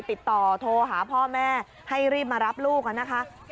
ติดต่อโทรหาพ่อแม่ให้รีบมารับลูกนะคะ